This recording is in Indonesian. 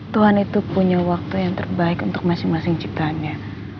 tuhan itu punya waktu yang terbaik untuk masing masing ciptaannya